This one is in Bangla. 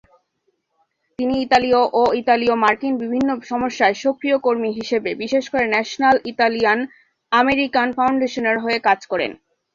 তিনি ইতালীয় ও ইতালীয় মার্কিন বিভিন্ন সমস্যায় সক্রিয় কর্মী হিসেবে, বিশেষ করে ন্যাশনাল ইতালিয়ান আমেরিকান ফাউন্ডেশনের হয়ে, কাজ করেন।